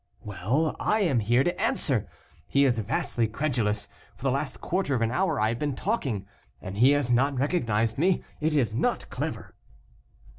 "Well, I am here to answer. He is vastly credulous. For the last quarter of an hour I have been talking, and he has not recognized me. It is not clever!"